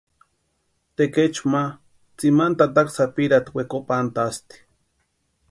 Tekechu ma tsimani tataka sapirhati wekopantʼasti.